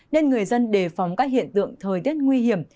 nên người dân đề phóng các hiện tượng thời tiết nguy hiểm